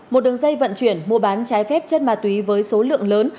một đường dây vận chuyển mua bán trái phép chất ma túy với số lượng lớn